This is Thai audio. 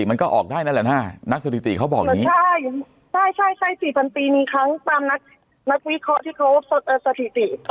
มันมันก็ออกได้แน่นะหน้าสนิทเขาบอกได้ใช่๔๐๑๓